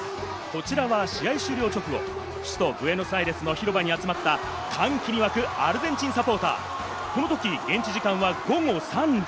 こちらは試合終了直後、首都ブエノスアイレスの広場に集まった、歓喜に沸くアルゼンチンサポーター。